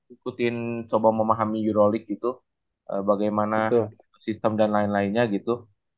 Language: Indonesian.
ikutin coba memahami eurolik gitu bagaimana sistem dan lain lainnya gitu